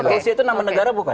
berada di negara